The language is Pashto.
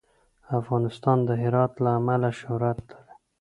افغانستان د هرات له امله شهرت لري.